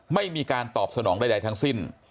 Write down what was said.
ไม่มีการตอบสนองใดทั้งสิ้น